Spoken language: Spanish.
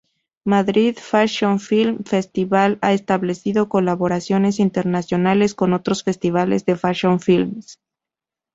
Madrid Fashion Film Festival ha establecido colaboraciones internacionales con otros festivales de fashion films.